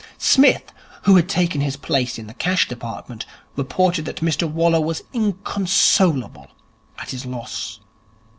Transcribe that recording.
Psmith, who had taken his place in the Cash Department, reported that Mr Waller was inconsolable at his loss.